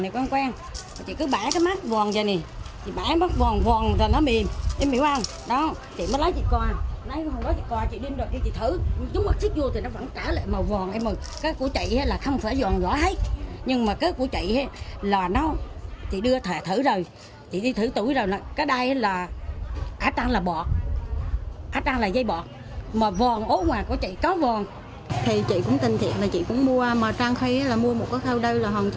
bà bán vàng vàng dậy này bài lát vàng vàng vàng là nó mềm em hiểu không